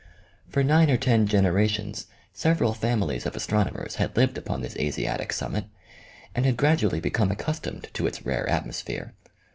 For nine or ten generations several families of astronomers had lived upon this Asiatic summit, and had gradually be come accustomed to its rare atmosphere.